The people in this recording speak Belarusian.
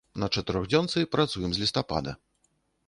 На чатырохдзёнцы працуем з лістапада.